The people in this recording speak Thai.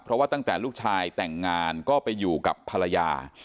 เพราะว่าตั้งแต่ลูกชายแต่งงานก็ไปอยู่กับภรรยา